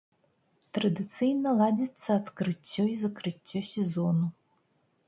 Традыцыйна ладзіцца адкрыццё і закрыццё сезону.